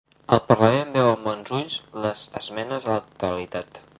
El parlament veu amb bons ulls les esmenes a la totalitat